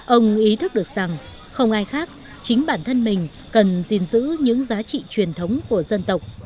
ông ý thức được rằng không ai khác chính bản thân mình cần gìn giữ những giá trị truyền thống của dân tộc